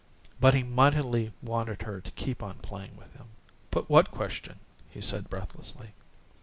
But he mightily wanted her to keep on playing with him. "Put what question?" he said, breathlessly.